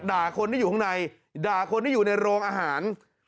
ด่าคนที่อยู่ข้างในด่าคนที่อยู่ในโรงอาหาร